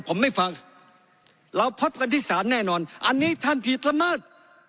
ผมไม่ฟังเราพบกันที่ศาลแน่นอนอันนี้ท่านผิดละเมิด